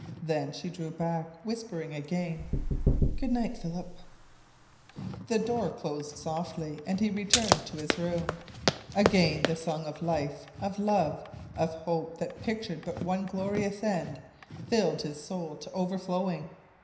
Then she drew back, whispering again: "Good night, Philip!" The door closed softly, and he returned to his room. Again the song of life, of love, of hope that pictured but one glorious end filled his soul to overflowing.